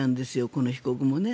この被告もね。